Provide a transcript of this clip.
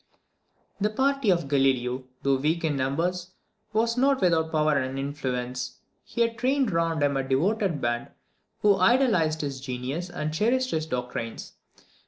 The party of Galileo, though weak in numbers, was not without power and influence. He had trained around him a devoted band, who idolised his genius and cherished his doctrines.